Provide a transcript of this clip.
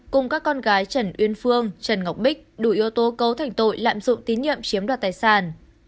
cùng các con gái trần uyên phương trần ngọc bích đủ yếu tố cấu thành tội lạm dụng tín nhiệm chiếm đoạt tài sản